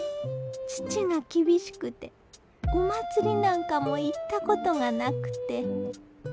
父が厳しくてお祭りなんかも行ったことがなくて。